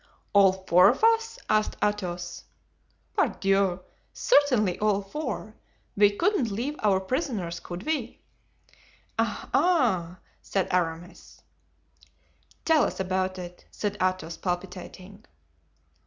"All four of us?" asked Athos. "Pardieu! certainly, all four; we couldn't leave our prisoners, could we?" "Ah! ah!" said Aramis. "Tell us about it," said Athos, palpitating.